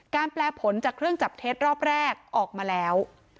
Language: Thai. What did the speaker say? แปลผลจากเครื่องจับเท็จรอบแรกออกมาแล้ว